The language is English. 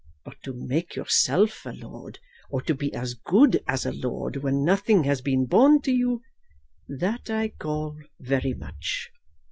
But to make yourself a lord, or to be as good as a lord, when nothing has been born to you, that I call very much.